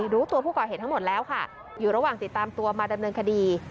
รู้ตัวผู้ก่อเหตุทั้งหมดแล้วค่ะอยู่ระหว่างติดตามตัวมาดำเนินคดี